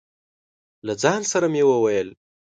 له ځانه سره مې وويل: